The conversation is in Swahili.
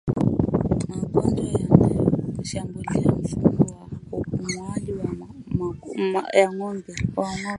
Magonjwa yanayoshambulia mfumo wa upumuaji wa ngombe